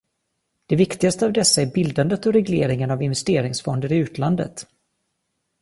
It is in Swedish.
Det viktigaste av dessa är bildandet och regleringen av investeringsfonder i utlandet.